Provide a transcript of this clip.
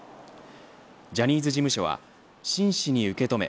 ジャニーズ事務所は真摯に受け止め